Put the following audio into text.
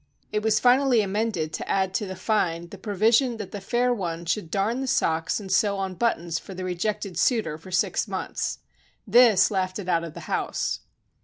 It was finally amended to add to the fine the provision that the fair one should darn the socks and sew on but tons for the rejected suitor for six months. This laughed it out of the house.